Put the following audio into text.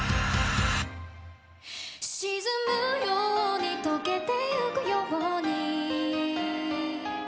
「沈むように溶けてゆくように」